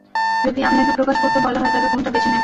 যদি আপনাকে প্রকাশ করতে বলা হয়, তবে কোনটা বেছে নেবেন?